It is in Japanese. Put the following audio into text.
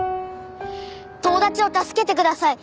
友達を助けてください！